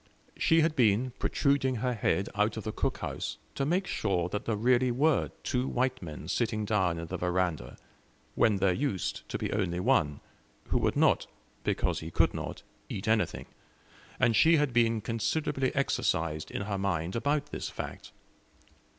She had been protruding her head out of the cookhouse to make sure that there were really two white men sitting down in the veranda, when there used to be only one, who would not, because he could not, eat anything; and she had been considerably exercised in her mind about this fact.